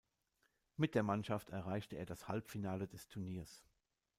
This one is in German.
Mit der Mannschaft erreichte er das Halbfinale des Turniers.